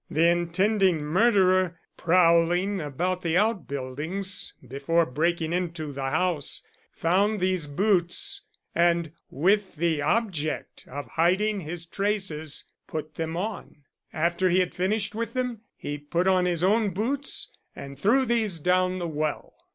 The intending murderer, prowling about the outbuildings before breaking into the house, found these boots, and with the object of hiding his traces put them on. After he had finished with them he put on his own boots and threw these down the well."